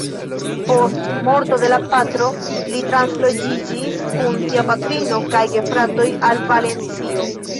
Post morto de la patro li transloĝiĝis kun sia patrino kaj gefratoj al Valencio.